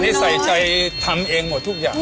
นี่ใส่ใจทำเองหมดทุกอย่าง